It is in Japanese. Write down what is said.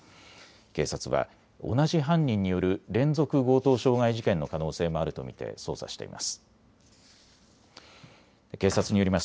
警察は同じ犯人による連続強盗傷害事件の可能性もあると見て捜査しています。